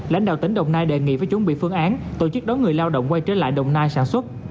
lãnh đạo tỉnh đồng nai đề nghị với chuẩn bị phương án tổ chức đón người lao động quay trở lại đồng nai sản xuất